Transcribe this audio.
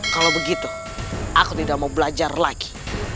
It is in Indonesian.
kalau begitu aku tidak mau belajar lagi